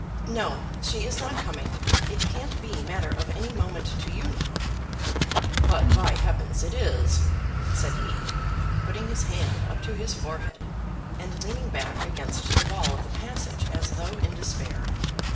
"No; she is not coming. It can't be matter of any moment to you now." "But, by heavens, it is," said he, putting his hand up to his forehead, and leaning back against the wall of the passage as though in despair.